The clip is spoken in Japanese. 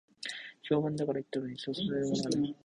評判だから行ったのに、そそられるものがない